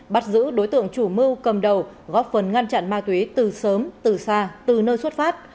bắt giữ đối tượng chủ mưu cầm đầu góp phần ngăn chặn ma túy từ sớm từ xa từ nơi xuất phát